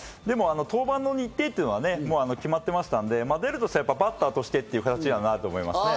でも登板の日程というのは、もう決まっていましたので、出るとしたらバッターとしてということだと思います。